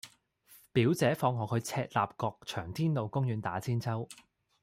表姐放學去左赤鱲角翔天路公園打韆鞦